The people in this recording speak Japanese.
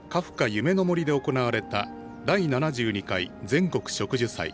夢の森で行われた第７２回全国植樹祭。